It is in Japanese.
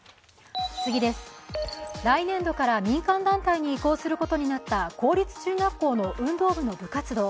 来年度から民間団体に移行することになった公立中学校の運動部の部活動。